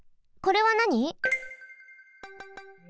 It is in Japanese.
これはなに？